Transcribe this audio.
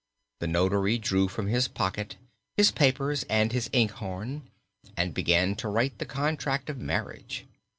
The notary drew from his pocket his papers and his inkhorn and began to write the contract of marriage.